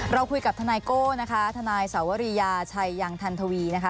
เราคุยกับทนายโก้นะคะทนายสวรียาชัยยังทันทวีนะคะ